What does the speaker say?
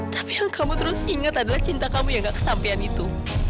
tapi yang kamu terus ingat adalah cinta kamu yang gak kesampian itu